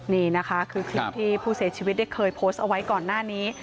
นี่นะคะคือคลิปที่ผู้เสียชีวิตได้เคยโพสต์เอาไว้ก่อนหน้านี้